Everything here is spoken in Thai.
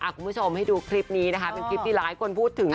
คุณผู้ชมให้ดูคลิปนี้นะคะเป็นคลิปที่หลายคนพูดถึง